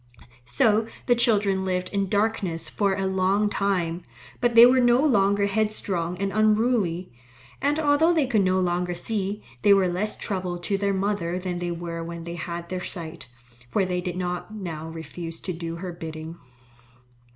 So the children lived in darkness for a long time. But they were no longer headstrong and unruly, and although they could no longer see, they were less trouble to their mother than they were when they had their sight, for they did not now refuse to do her bidding.